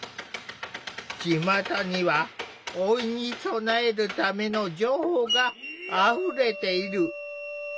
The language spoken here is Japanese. ちまたには老いに備えるための情報があふれている。